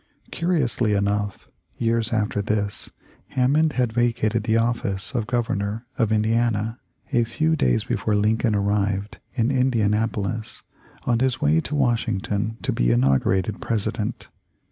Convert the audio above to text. Curiously enough, years after this, Ham mond had vacated the office of Governor of Indi ana a few days before Lincoln arrived in Indianap olis, on his way to Washington to be inaugurated President.